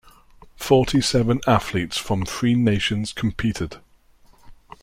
Forty seven athletes from three nations competed.